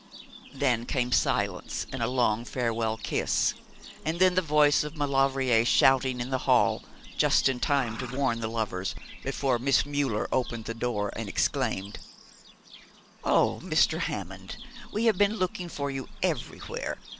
Then came silence, and a long farewell kiss, and then the voice of Maulevrier shouting in the hall, just in time to warn the lovers, before Miss Müller opened the door and exclaimed, 'Oh, Mr. Hammond, we have been looking for you everywhere.